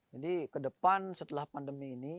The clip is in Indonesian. jadi ke depan setelah pandemi ini